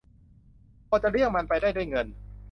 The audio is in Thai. พอจะเลี่ยงมันไปได้ ด้วยเงิน